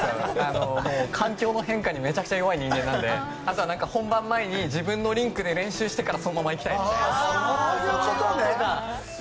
環境の変化にめちゃくちゃ弱い人間なのであとは本番前に自分のリンクで練習してからそのまま行きたいので。